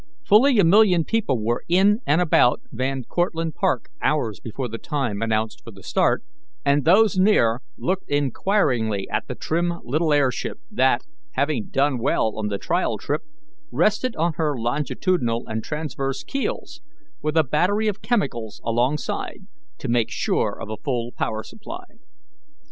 Fully a million people were in and about Van Cortlandt Park hours before the time announced for the start, and those near looked inquiringly at the trim little air ship, that, having done well on the trial trip, rested on her longitudinal and transverse keels, with a battery of chemicals alongside, to make sure of a full power supply.